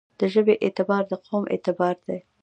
د ژبې اعتبار دقوم اعتبار دی.